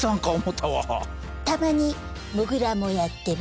たまにモグラもやってます。